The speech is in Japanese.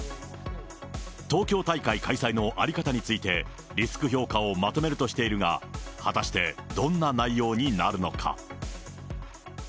東京大会開催の在り方について、リスク評価をまとめるとしているが、果たして、どんな内容になるのか。